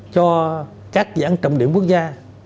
cho các dự án trọng điểm quốc gia